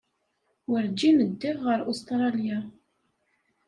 Werǧin ddiɣ ɣer Ustṛalya.